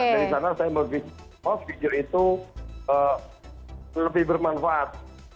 nah dari sana saya membuat video itu lebih bermanfaat